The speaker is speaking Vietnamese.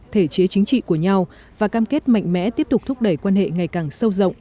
thể chế chính trị của nhau và cam kết mạnh mẽ tiếp tục thúc đẩy quan hệ ngày càng sâu rộng